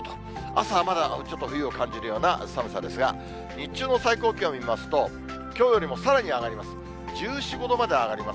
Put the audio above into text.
朝はまだ、ちょっと冬を感じるような寒さですが、日中の最高気温見ますと、きょうよりもさらに上がります。